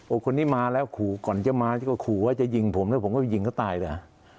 โอ้คนนี้มาแล้วก่อนจะมาก็ขูว่าจะยิงผมแล้วผมก็ยิงก็ตายเลย